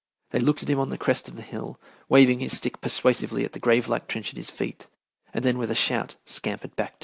They looked at him on the crest of the hill, waving his stick persuasively at the grave like trench at his feet, and then with a shout scampered back to it.